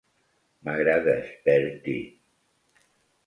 M'agrades, Bertie.